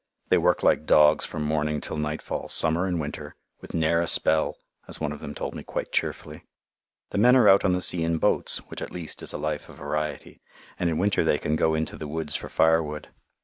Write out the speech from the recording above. They work like dogs from morning till nightfall, summer and winter, with "ne'er a spell," as one of them told me quite cheerfully. The men are out on the sea in boats, which at least is a life of variety, and in winter they can go into the woods for firewood.